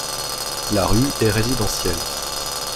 La rue est résidentielle.